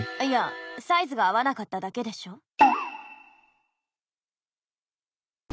いやサイズが合わなかっただけでしょ。